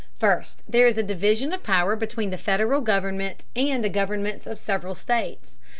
First, there is a division of power between the Federal government and the governments of the several states.